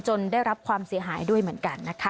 ได้รับความเสียหายด้วยเหมือนกันนะคะ